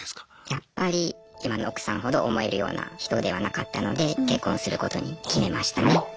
やっぱり今の奥さんほど思えるような人ではなかったので結婚することに決めましたね。